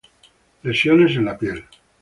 Lesiones en la piel.